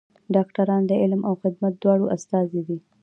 ډاکټران د علم او خدمت دواړو استازي دي.